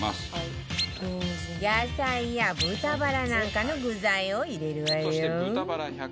野菜や豚バラなんかの具材を入れるわよ